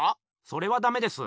それはダメです。